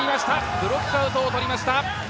ブロックアウトを取りました。